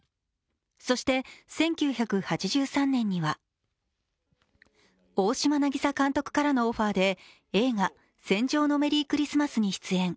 そして１９８３年には、大島渚監督からのオファーで映画「戦場のメリークリスマス」に出演。